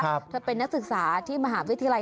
เธอเป็นนักศึกษาที่มหาวิทยาลัย